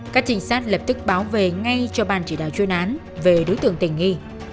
các trinh sát lập tức báo về ngay cho ban chỉ đạo chuyên án về đối tượng tình nghi